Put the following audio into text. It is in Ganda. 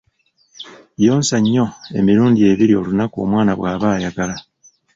Yonsa nnyo, emirundi ebiri olunaku omwana bw'aba ayagala.